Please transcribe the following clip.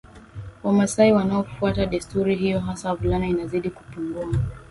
Wamasai wanaofuata desturi hiyo hasa wavulana inazidi kupungua